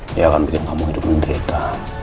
dia akan bikin kamu hidup menderita